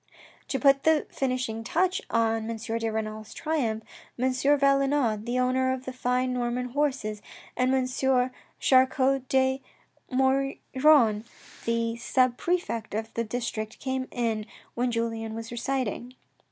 To put the finishing touch on M. de Renal's triumph, M. Valenod, the owner of the fine Norman horses, and M. Char cot de Maugiron, the sub prefect of the district came in when Julien was reciting.